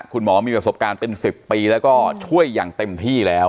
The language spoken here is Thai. คุณหมอมีประสบการณ์เป็น๑๐ปีแล้วก็ช่วยอย่างเต็มที่แล้ว